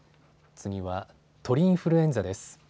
次は鳥インフルエンザです。